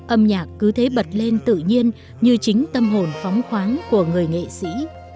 âm nhạc cứ thế bật lên tự nhiên như chính tâm hồn phóng khoáng của người nghệ sĩ